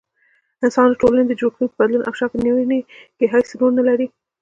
انسان د ټولني د جوړښتونو په بدلون او شکل نيوني کي هيڅ رول نلري